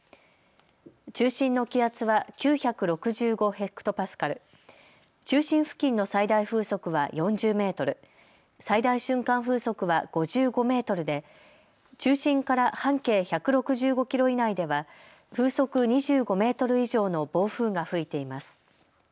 中心の気圧は９６５ｈＰａ、中心付近の最大風速は４０メートル、最大瞬間風速は５５メートルで中心から半径１６５キロ以内では風速２５メートル以上の暴風が吹いています。